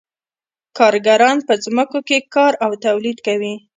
کارګران په ځمکو کې کار او تولید کوي